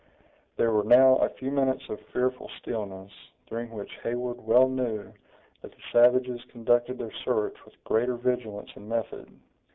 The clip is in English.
There were now a few minutes of fearful stillness, during which Heyward well knew that the savages conducted their search with greater vigilance and method.